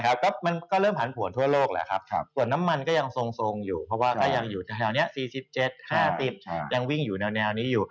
ก็มันก็เริ่มผันผวนทั่วโลกแหละครับส่วนน้ำมันก็ยังทรงอยู่เพราะว่าก็ยังอยู่แถวนี้๔๗๕๐ยังวิ่งอยู่แนวนี้อยู่